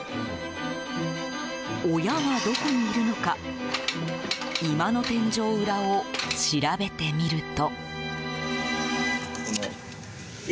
親はどこにいるのか居間の天井裏を調べてみると。